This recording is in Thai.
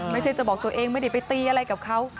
ไม่ใช่จะบอกตัวเองไม่ได้ไปตีอะไรกับเขา